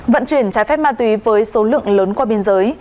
vận chuyển trái phép ma túy với số lượng lớn qua biên giới